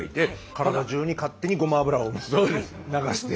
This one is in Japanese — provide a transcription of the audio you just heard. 体じゅうに勝手にごま油を流して。